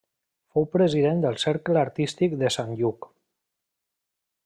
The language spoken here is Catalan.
Fou president del Cercle Artístic de Sant Lluc.